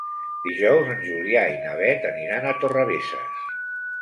Dijous en Julià i na Beth aniran a Torrebesses.